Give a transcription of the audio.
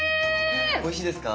おいしいですか？